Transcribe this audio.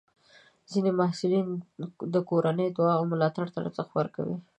ځینې محصلین د کورنۍ دعا او ملاتړ ته ارزښت ورکوي.